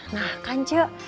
nah kan ce